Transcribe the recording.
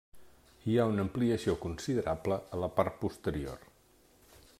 Hi ha una ampliació considerable a la part posterior.